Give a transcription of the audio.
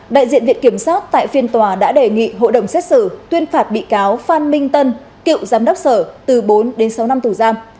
đại diện viện kiểm soát tại phiên tòa đã đề nghị hội đồng xét xử tuyên phạt bị cáo phan minh tân cựu giám đốc sở từ bốn đến sáu năm tù giam